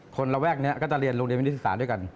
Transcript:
ระแวกนี้ก็จะเรียนโรงเรียนวินิศึกษาด้วยกัน